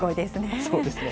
そうですね。